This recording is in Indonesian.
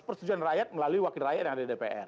persetujuan rakyat melalui wakil rakyat yang ada di dpr